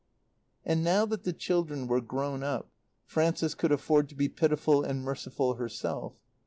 And now that the children were grown up Frances could afford to be pitiful and merciful herself.